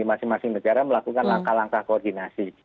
mereka juga melakukan langkah langkah koordinasi